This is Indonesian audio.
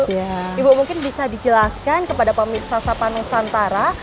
ibu mungkin bisa dijelaskan kepada pemirsa sapanusantara